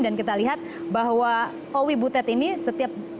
dan kita lihat bahwa owi butet ini setiap